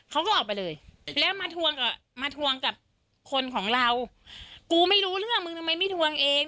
เขาก็ออกไปเลยแล้วมาทวงกับมาทวงกับคนของเรากูไม่รู้เรื่องมึงทำไมไม่ทวงเอง